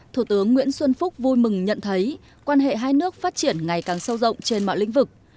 thủ tướng nguyễn xuân phúc vui mừng nhận thấy quan hệ hai nước phát triển ngày càng sâu rộng trên mọi lĩnh vực